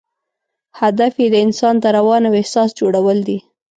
هدف یې د انسان د روان او احساس جوړول دي.